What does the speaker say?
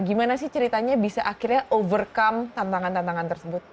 gimana sih ceritanya bisa akhirnya overcome tantangan tantangan tersebut